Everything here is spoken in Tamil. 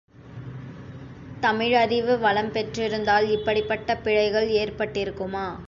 தமிழறிவு வளம்பெற்றிருந்தால், இப்படிப்பட்ட பிழைகள் ஏற்பட்டிருக்குமா?